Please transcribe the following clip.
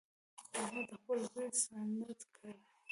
احمد خپل زوی سنت کړ.